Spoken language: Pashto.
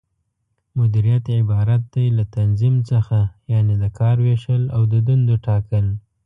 مديريت عبارت دى له تنظيم څخه، یعنې د کار وېشل او د دندو ټاکل